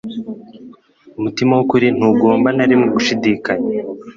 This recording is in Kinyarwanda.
Umutima wukuri ntugomba na rimwe gushidikanya.